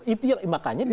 itu yang makanya dibuat